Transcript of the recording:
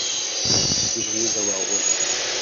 vous devriez avoir honte.